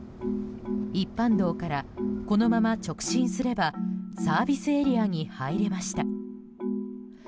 一般道から、このまま直進すればサービスエリアに入れました。